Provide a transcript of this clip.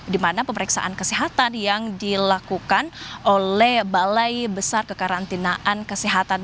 dimana pemeriksaan kesehatan yang dilakukan oleh balai besar kekarantinaan